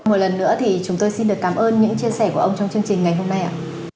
một lần nữa thì chúng tôi xin được cảm ơn những chia sẻ của ông trong chương trình ngày hôm nay ạ